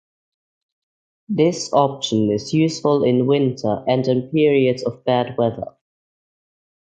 This option is useful in winter and in periods of bad weather.